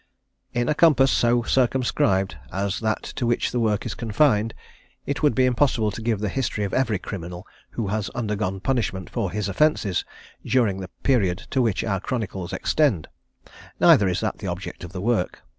In a compass so circumscribed as that to which the work is confined, it would be impossible to give the history of every criminal who has undergone punishment for his offences, during the period to which our Chronicles extend: neither is that the object of the work.